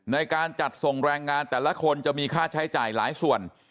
ในการจัดส่งแรงงานแต่ละคนจะมีค่าใช้จ่ายหลายส่วน